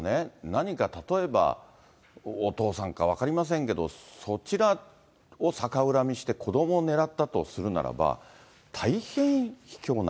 何か例えば、お父さんか分かりませんけど、そちらを逆恨みして子どもを狙ったとするならば、大変ひきょうな。